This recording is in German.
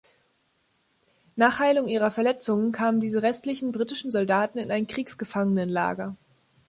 Nach Heilung ihrer Verletzungen kamen diese restlichen britischen Soldaten in ein Kriegsgefangenenlager.